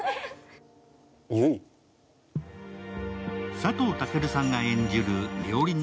佐藤健さんが演じる料理人